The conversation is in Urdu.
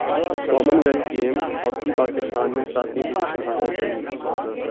common wealth Games hockey Pakistan نے ساتویں پوزیشن حاصل کر لی